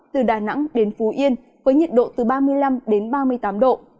từ đà nẵng đến phú yên với nhiệt độ từ ba mươi năm đến ba mươi tám độ